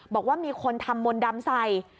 บอกว่ามีคนทำมนต์ดำใส่